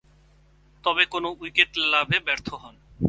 তবে, কোন উইকেট লাভে ব্যর্থ হন।